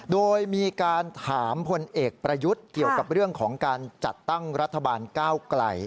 โดยมีการถามพลเอกประยุทธ์เกี่ยวกับเรื่องของการจัดตั้งรัฐบาลก้าวไกล